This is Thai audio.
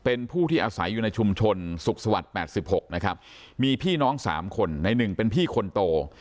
เป็นผู้ที่อาศัยอยู่ในชุมชนสุขสวัสดิ์๘๖นะครับมีพี่น้อง๓คนในหนึ่งเป็นพี่คนโต